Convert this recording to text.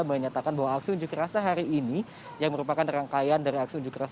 menyatakan bahwa aksi unjuk rasa hari ini yang merupakan rangkaian dari aksi unjuk rasa